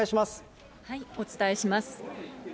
お伝えします。